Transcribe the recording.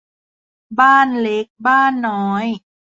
บ้านเล็กบ้านน้อย